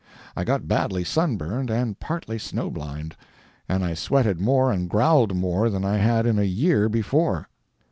I got badly sunburned, and partly snow blind, and I sweated more and growled more than I had in a year before.